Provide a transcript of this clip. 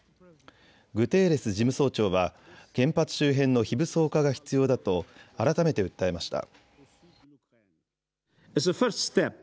グテーレス事務総長は原発周辺の非武装化が必要だと改めて訴えました。